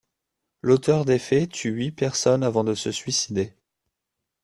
L’auteur des faits tue huit personnes avant de se suicider.